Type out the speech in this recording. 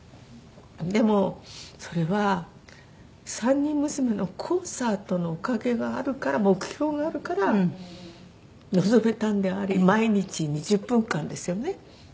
でもそれは３人娘のコンサートのおかげがあるから目標があるから臨めたんであり毎日２０分間ですよね。